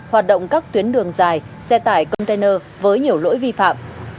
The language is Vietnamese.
hoạt động các tuyến đường dài xe tải container với nhiều lỗi vi phạm